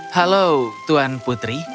halo tuan putri